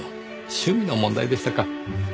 趣味の問題でしたか。